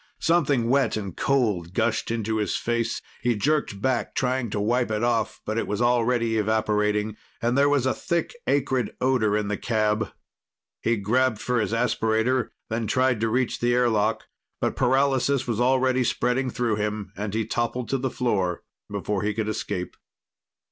Something wet and cold gushed into his face. He jerked back, trying to wipe it off, but it was already evaporating, and there was a thick, acrid odor in the cab. He grabbed for his aspirator, then tried to reach the airlock. But paralysis was already spreading through him, and he toppled to the floor before he could escape.